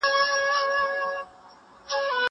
زه اجازه لرم چي مرسته وکړم!!